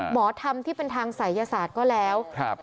หมอทำที่เป็นทางศัยศาสตร์ก็แล้ว